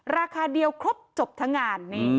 ราคาเดียวครบจบทั้งงาน